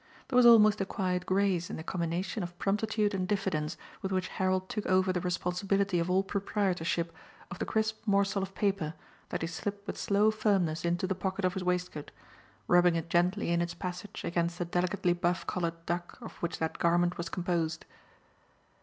There was almost a quiet grace in the combination of promptitude and diffidence with which Harold took over the responsibility of all proprietorship of the crisp morsel of paper that he slipped with slow firmness into the pocket of his waistcoat, rubbing it gently in its passage against the delicately buff coloured duck of which that garment was composed.